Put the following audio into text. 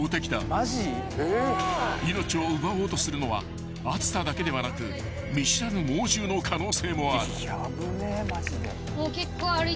［命を奪おうとするのは暑さだけではなく見知らぬ猛獣の可能性もある］